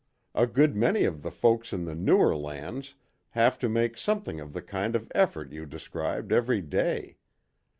A good many of the folks in the newer lands have to make something of the kind of effort you described every day.